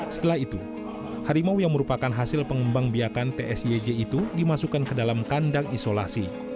setelah itu harimau yang merupakan hasil pengembang biakan tsij itu dimasukkan ke dalam kandang isolasi